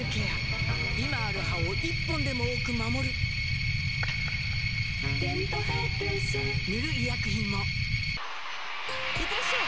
今ある歯を１本でも多く守る「デントヘルス」塗る医薬品もいってらっしゃい！